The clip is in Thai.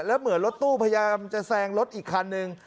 แล้วเหมือนรถตู้พยายามจะแซงรถอีกคันนึง